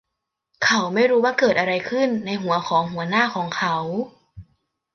เขาไม่รู้ว่าเกิดอะไรขึ้นในหัวของหัวหน้าของเขา